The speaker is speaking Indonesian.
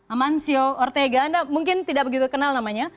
amancio ortega anda mungkin tidak begitu kenal namanya